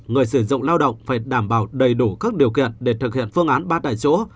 người sử dụng lao động phải đảm bảo đầy đủ các điều kiện để thực hiện phương án ba tại chỗ